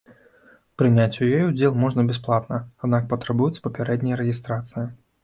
Прыняць у ёй удзел можна бясплатна, аднак патрабуецца папярэдняя рэгістрацыя.